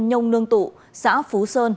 nhông nương tụ xã phú sơn